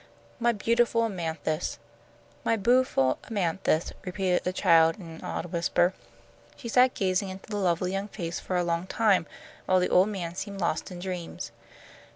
My beautiful Amanthis!" "My bu'ful Amanthis!" repeated the child, in an awed whisper. She sat gazing into the lovely young face for a long time, while the old man seemed lost in dreams.